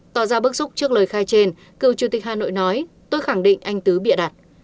tỏ ra bức xúc trước lời khai trên cựu chủ tịch hà nội nói tôi khẳng định anh tứ bịa đặt